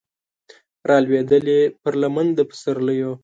رالویدلې پر لمن د پسرلیو